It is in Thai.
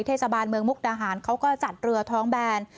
เทศบาลเมืองมุกดาหารเขาก็จัดเรือท้องแบน